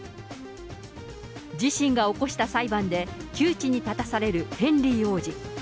自身が起こした裁判で窮地に立たされるヘンリー王子。